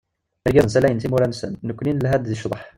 Irgazen salayen timura-nsen, nekkni nelha-d di cḍeḥ.